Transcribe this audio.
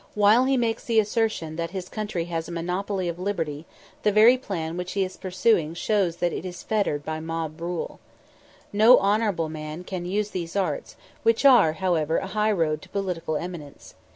While he makes the assertion that his country has a monopoly of liberty, the very plan which he is pursuing shows that it is fettered by mob rule. No honourable man can use these arts, which are, however, a high road to political eminence.